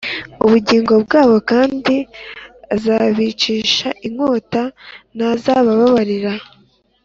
ubugingo bwabo kandi azabicisha inkota Ntazabababarira